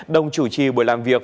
đồng chủ trì buổi làm việc